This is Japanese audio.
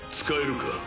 使えるか？